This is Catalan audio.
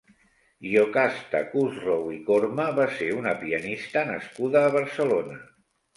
Giocasta Kussrow i Corma va ser una pianista nascuda a Barcelona.